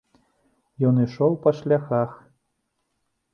Ён ішоў па шляхах.